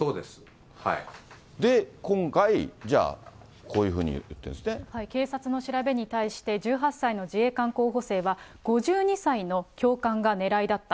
で、今回、こういうふうに言警察の調べに対して、１８歳の自衛官候補生は、５２歳の教官が狙いだった。